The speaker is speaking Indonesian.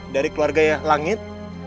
dari keluarga yang langit